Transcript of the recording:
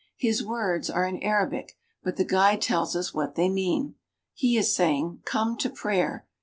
His words are in Arabic, bnt the guide tells us what they mean. He is saying: "Come to prayer!